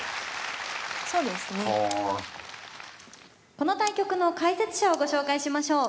この対局の解説者をご紹介しましょう。